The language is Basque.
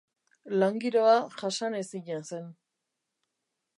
Lan giroa jasanezina zen.